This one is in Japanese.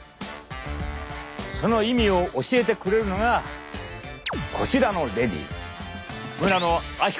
その意味を教えてくれるのがこちらのレディー！